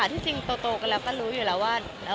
ที่จริงโตกันแล้วก็รู้อยู่แล้วว่า